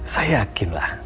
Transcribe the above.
saya yakin lah